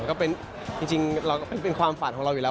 ก็เป็นจริงเราก็เป็นความฝันของเราอยู่แล้ว